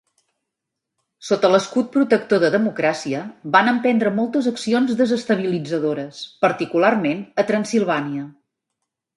Sota l'escut protector de democràcia, van emprendre moltes accions desestabilitzadores, particularment a Transsilvània.